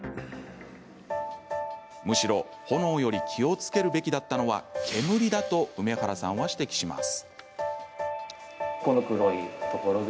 むしろ炎より気をつけるべきだったのは煙だと梅原さんは指摘します。